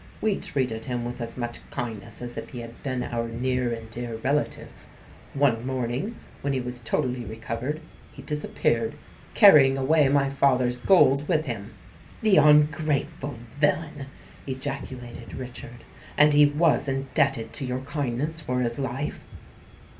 We treated him with as much kindness as if he had been our near and dear relative. One morning, when he was totally recovered, he disappeared, carrying away my father's gold with him." "The ungrateful villain!" ejaculated Richard. "And he was indebted to your kindness for his life?"